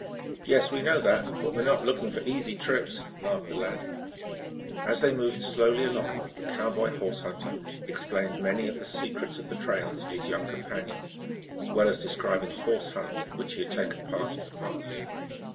"Yes, we know that. But we are not looking for easy trips," laughed the lad. As they moved slowly along, the cowboy horse hunter explained many of the secrets of the trail to his young companion, as well as describing horse hunts in which he had taken part in the past.